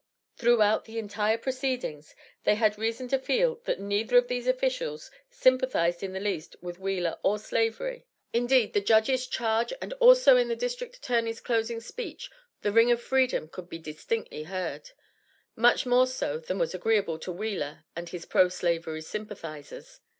Throughout the entire proceedings, they had reason to feel, that neither of these officials sympathized in the least with Wheeler or Slavery. Indeed in the Judge's charge and also in the District Attorney's closing speech the ring of freedom could be distinctly heard much more so than was agreeable to Wheeler and his Pro Slavery sympathizers.